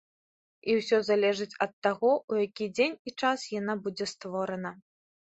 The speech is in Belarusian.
І ўсё залежыць ад таго, у які дзень і час яна будзе створана.